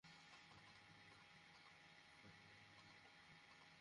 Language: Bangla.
এটা তো আমিও বুঝছিনা, ভাই।